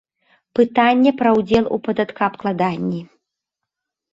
Пытанне пра ўдзел у падаткаабкладанні.